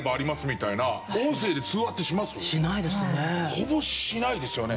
ほぼしないですよね。